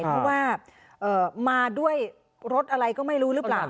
เพราะว่ามาด้วยรถอะไรก็ไม่รู้หรือเปล่า